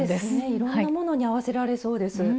いろんなものに合わせられそうです。